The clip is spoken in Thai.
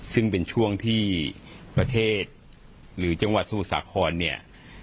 ซึ่งเป็นช่วงที่ประเทศหรือจังหวัดสมุทรสาครเนี่ย